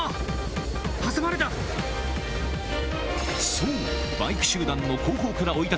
そう！